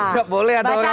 tidak boleh ada orang